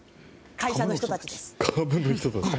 会社の人たちです。